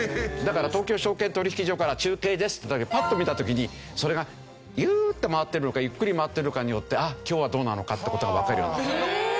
だから東京証券取引所から中継ですって時にパッと見た時にそれがビューッと回ってるのかゆっくり回ってるのかによってあっ今日はどうなのかって事がわかるように。